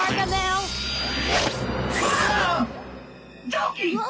・ジョーキー！